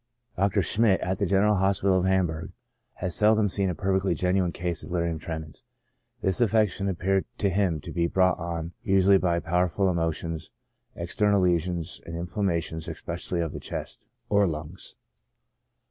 Dr. Schmidt, at the General Hospital of Hamburg, has seldom seen a perfectly genuine case of delirium tremens; this affection appeared to him to be brought on usually by powerful emotions, external lesions, and inflammations, especially of the chest (lungs).